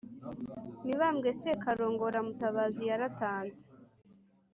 Mibambwe Sekarongoro Mutabazi yaratanze